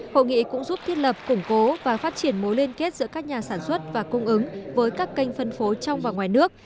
hội nghị cũng giúp thiết lập củng cố và phát triển mối liên kết giữa các nhà sản xuất và cung ứng với các kênh phân phố trong và ngoài nước